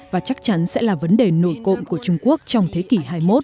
và chắc chắn sẽ là vấn đề nổi cộng của trung quốc trong thế kỷ hai mươi một